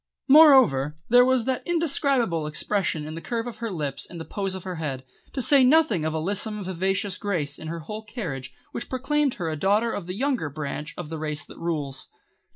Moreover, there was that indescribable expression in the curve of her lips and the pose of her head; to say nothing of a lissome, vivacious grace in her whole carriage which proclaimed her a daughter of the younger branch of the Race that Rules.